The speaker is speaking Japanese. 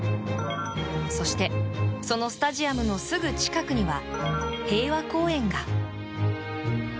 そして、そのスタジアムのすぐ近くには平和公園が。